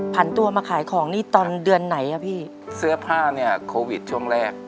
พันตัวมาขายของนี่ตอนเดือนไหนอ่ะพี่เสื้อผ้าเนี่ยโควิดช่วงแรก